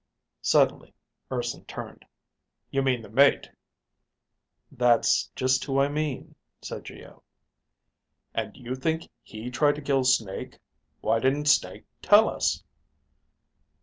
Suddenly Urson turned. "You mean the mate?" "That's just who I mean," said Geo. "And you think he tried to kill Snake. Why didn't Snake tell us?"